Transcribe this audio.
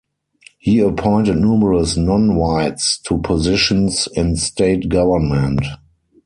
He appointed numerous non-whites to positions in state government.